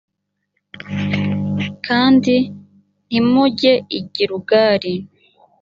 kandi ntimujye i gilugali